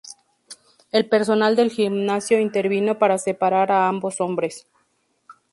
El personal del gimnasio intervino para separar a ambos hombres.